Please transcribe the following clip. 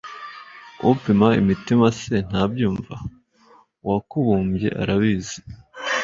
upima imitima se ntabyumva? uwakubumbye arabizi